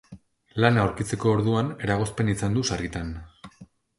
Lana aurkitzeko orduan eragozpen izan du sarritan.